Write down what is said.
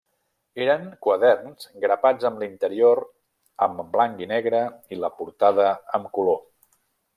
Eren quaderns grapats amb l'interior amb blanc i negre i la portada amb color.